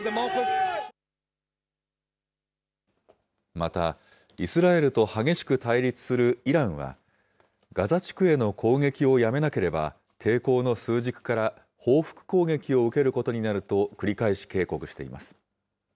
また、イスラエルと激しく対立するイランは、ガザ地区への攻撃をやめなければ、抵抗の枢軸から報復攻撃を受けることになると繰り返し警告しています。